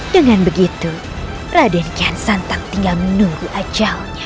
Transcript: dengan begitu raden kian santang tinggal menunggu ajalnya